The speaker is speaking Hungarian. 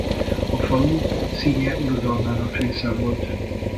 A falu Szinye uradalmának része volt.